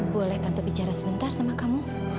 boleh tante bicara sebentar sama kamu